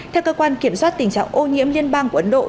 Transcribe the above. theo cơ quan kiểm soát tình trạng ô nhiễm liên bang của ấn độ